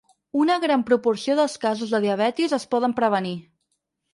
Una gran proporció dels casos de diabetis es poden prevenir.